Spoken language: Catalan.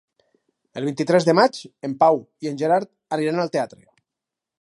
El vint-i-tres de maig en Pau i en Gerard aniran al teatre.